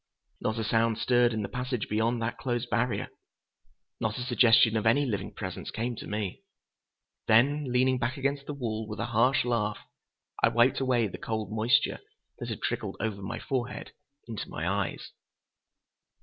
Not a sound stirred in the passage beyond that closed barrier. Not a suggestion of any living presence came to me. Then, leaning back against the wall with a harsh laugh, I wiped away the cold moisture that had trickled over my forehead into my eyes.